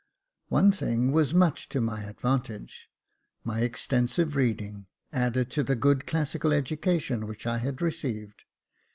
One thing was much to my advantage — my extensive reading, added to the good classical education which I had received.